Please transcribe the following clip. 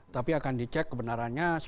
tapi akan dicek kebenarannya